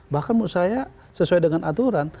bahkan menurut saya sesuai dengan aturan